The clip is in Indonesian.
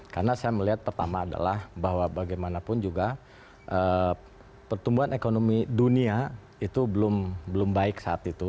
karena saya melihat pertama adalah bahwa bagaimanapun juga pertumbuhan ekonomi dunia itu belum baik saat itu